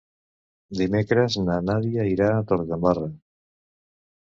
Dimecres na Nàdia irà a Torredembarra.